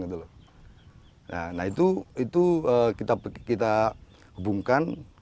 nah itu kita hubungkan